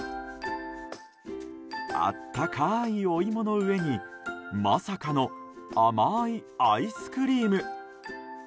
温かいお芋の上にまさかの甘いアイスクリーム。